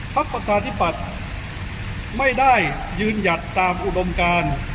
ประชาธิปัตย์ไม่ได้ยืนหยัดตามอุดมการ